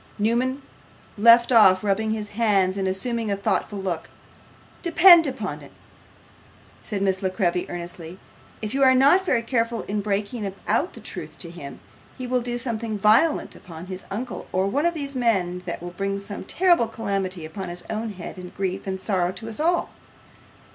Newman left off rubbing his hands, and assumed a thoughtful look. 'Depend upon it,' said Miss La Creevy, earnestly, 'if you are not very careful in breaking out the truth to him, he will do some violence upon his uncle or one of these men that will bring some terrible calamity upon his own head, and grief and sorrow to us all.